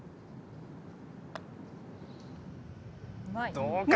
どうか？